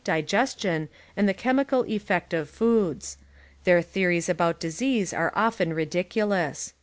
,. digestion, and the chemical effect of foods ; their alarmists theories about disease are often ridiculous.